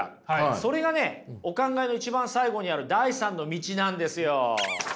それがねお考えの一番最後にある第３の道なんですよ。